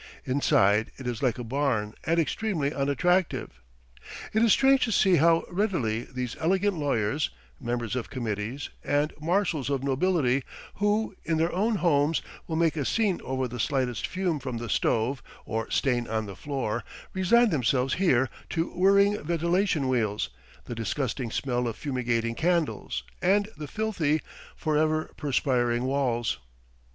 Inside it is like a barn and extremely unattractive. It is strange to see how readily these elegant lawyers, members of committees, and marshals of nobility, who in their own homes will make a scene over the slightest fume from the stove, or stain on the floor, resign themselves here to whirring ventilation wheels, the disgusting smell of fumigating candles, and the filthy, forever perspiring walls.